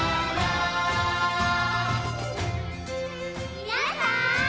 みなさん！